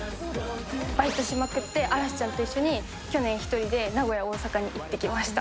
バイトしまくって、嵐ちゃんと一緒に去年、１人で名古屋、大阪に行ってきました。